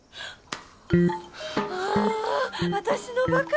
あ私のバカ！